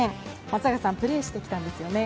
松坂さんプレーしてきたんですよね。